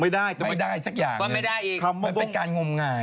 ไม่ได้จะไม่ได้สักอย่างเลยเพราะไม่ได้อีกไปการงง่าย